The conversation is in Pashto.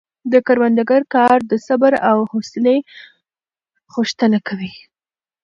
د کروندګر کار د صبر او حوصلې غوښتنه کوي.